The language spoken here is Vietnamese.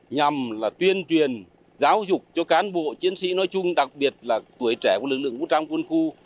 nhằm là tuyên truyền giáo dục cho cán bộ chiến sĩ nói chung đặc biệt là tuổi trẻ của lực lượng vũ trang quân khu